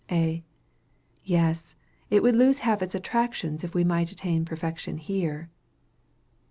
A. Yes; it would lose half its attractions if we might attain perfection here.